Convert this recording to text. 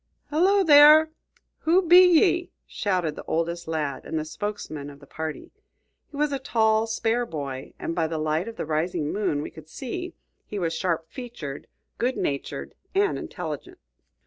"Hello there! who be ye?" shouted the oldest lad and the spokesman of the party. He was a tall, spare boy, and by the light of the rising moon we could see he was sharp featured, good natured, and intelligent.